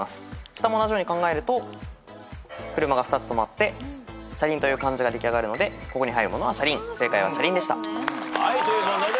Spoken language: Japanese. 下も同じように考えると車が２つ止まって「車輪」という漢字が出来上がるのでここに入るものは「車輪」